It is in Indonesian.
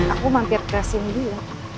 aku mampir ke sini dulu